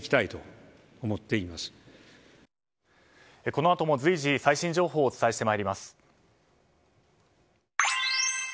このあとも随時最新情報をお伝えしてまいります。